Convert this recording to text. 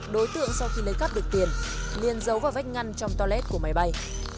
đối tượng sau khi lấy cắp được tiền liên giấu vào vách ngăn trong toilet của máy bay